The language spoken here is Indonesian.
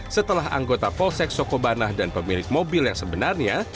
setelah anggota polsek sokobanah dan pemilik mobil yang sebenarnya